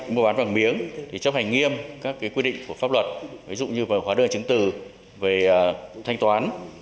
mua bán vàng miếng thì chấp hành nghiêm các quy định của pháp luật ví dụ như hóa đơn chứng từ về thanh toán